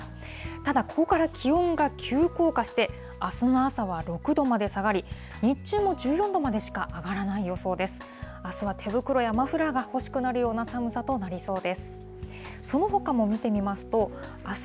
ただ、これから気温が急降下して、あすの朝は６度まで下がり、日中も１４度までしか上がらない予想です。